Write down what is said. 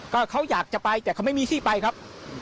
ก็เขาอยากจะไปแต่เขาไม่มีที่ไปครับ